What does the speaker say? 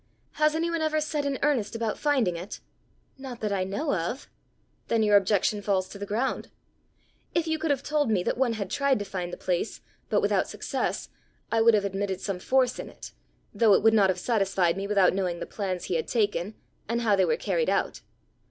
Has any one ever set in earnest about finding it?" "Not that I know of." "Then your objection falls to the ground. If you could have told me that one had tried to find the place, but without success, I would have admitted some force in it, though it would not have satisfied me without knowing the plans he had taken, and how they were carried out.